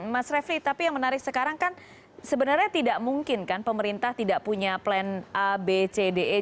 mas refli tapi yang menarik sekarang kan sebenarnya tidak mungkin kan pemerintah tidak punya plan a b c d e